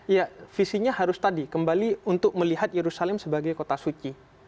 ya visinya harus tadi kembali untuk melihat yerusalem sebagai kota suci